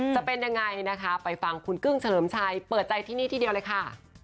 จะเป็นยังไงนะคะไปฟังคุณกึ้งเฉลิมชัยเปิดใจที่นี่ที่เดียวเลยค่ะ